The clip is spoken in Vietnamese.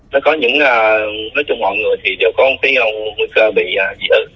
nó có những nói trong mọi người thì có tí người mối cơ bị dị ứng